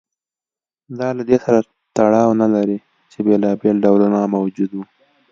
دا له دې سره تړاو نه لري چې بېلابېل ډولونه موجود و